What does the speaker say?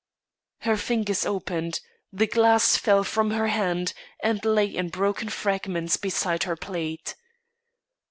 "Her fingers opened; the glass fell from her hand, and lay in broken fragments beside her plate.